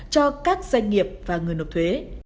cho các doanh nghiệp và người nộp thuế